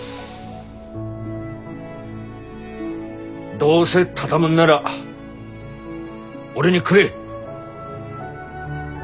どうせ畳むんなら俺にくれ！